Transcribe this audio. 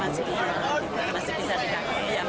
masih bisa dikakui ya minta lanjut aja gitu